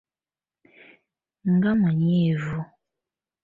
Nga munyiivu.